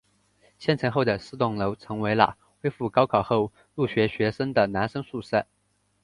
建成后的四栋楼成为了恢复高考后入学学生的男生宿舍。